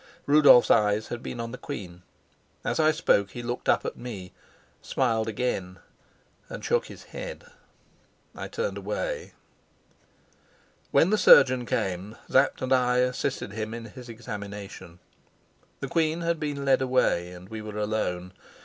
Rudolf's eyes had been on the queen. As I spoke he looked up at me, smiled again, and shook his head. I turned away. When the surgeon came Sapt and I assisted him in his examination. The queen had been led away, and we were alone.